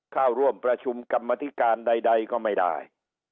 เข้าร่วมประชุมกรรมธิการใดก็ไม่ได้